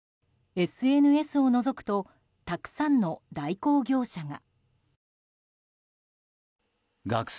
ＳＮＳをのぞくとたくさんの代行業者が。